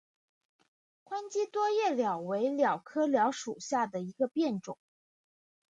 宽基多叶蓼为蓼科蓼属下的一个变种。